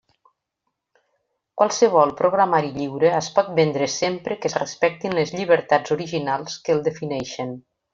Qualsevol programari lliure es pot vendre sempre que es respectin les llibertats originals que el defineixen.